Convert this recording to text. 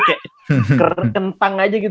kayak kentang aja gitu